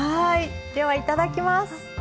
では、いただきます。